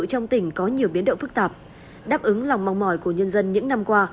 trong tỉnh có nhiều biến động phức tạp đáp ứng lòng mong mỏi của nhân dân những năm qua